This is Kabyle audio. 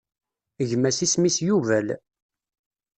Gma-s isem-is Yubal.